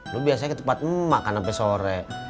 lu biasanya ke tempat emak kan sampe sore